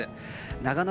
長野